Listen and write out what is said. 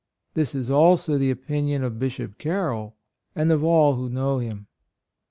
This is also the opinion of Bishop Carroll, and of all who know him."